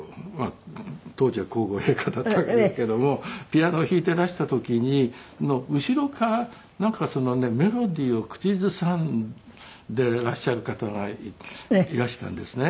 ピアノを弾いていらした時に後ろからなんかそのねメロディーを口ずさんでいらっしゃる方がいらしたんですね。